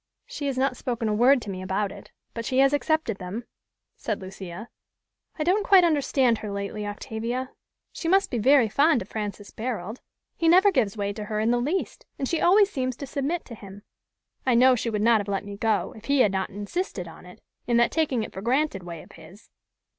"She has not spoken a word to me about it, but she has accepted them," said Lucia. "I don't quite understand her lately, Octavia. She must be very fond of Francis Barold. He never gives way to her in the least, and she always seems to submit to him. I know she would not have let me go, if he had not insisted on it, in that taking it for granted way of his."